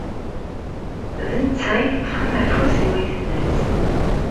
D netta i iṭṭfen afus i wayetma-s.